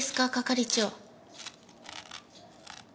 係長。